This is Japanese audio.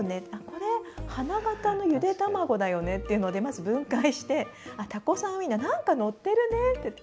これ花形の、ゆで卵だよねっていうので、まず分解してたこさんウインナー何か載ってるねって。